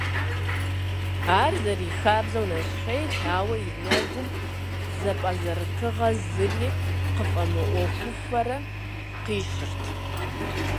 Ар, зэрихабзэу, нэщхъейт, ауэ и нэгум зэпӀэзэрытыгъэрэ зыри къыфӀэмыӀуэхуфэрэ къищырт.